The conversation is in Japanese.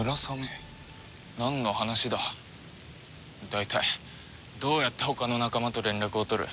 大体どうやって他の仲間と連絡を取る？